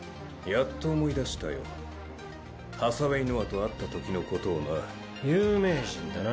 やっと思い出したハサウェイ・ノアと会ったときのことを有名人だな。